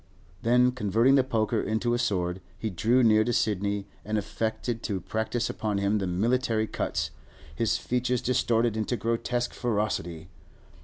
Then, converting the poker into a sword, he drew near to Sidney and affected to practise upon him the military cuts, his features distorted into grotesque ferocity.